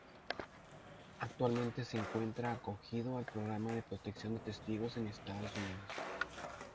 Actualmente se encuentra acogido al programa de Protección de Testigos en Estados Unidos.